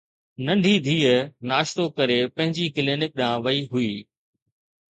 ننڍي ڌيءَ ناشتو ڪري پنهنجي ڪلينڪ ڏانهن وئي هئي